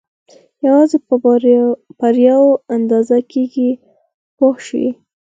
یوازې په بریاوو اندازه کېږي پوه شوې!.